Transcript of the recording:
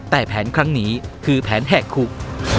แต่แผนครั้งนี้คือแผนแหกคุก